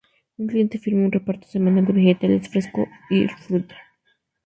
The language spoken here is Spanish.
Un cliente firma un reparto semanal de vegetales frescos y fruta.